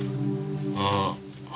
ああ。